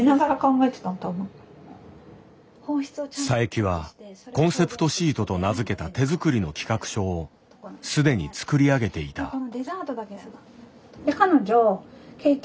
佐伯は「コンセプトシート」と名付けた手づくりの企画書をすでにつくり上げていた。